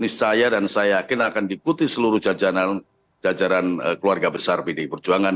saya yakin akan diikuti seluruh jajaran keluarga besar pdip perjuangan